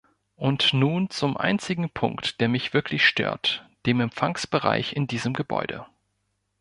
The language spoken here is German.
Und nun zum einzigen Punkt, der mich wirklich stört, dem Empfangsbereich in diesem Gebäude.